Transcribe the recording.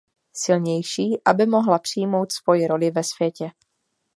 Silnější, aby mohla přijmout svoji roli ve světě.